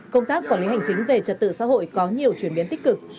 công tác quản lý hành chính về trật tự xã hội có nhiều chuyển biến tích cực